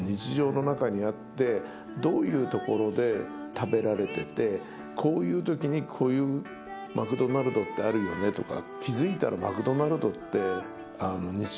どういうところで食べられててこういうときにマクドナルドってあるよねとか。